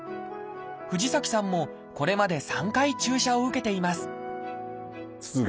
藤崎さんもこれまで３回注射を受けています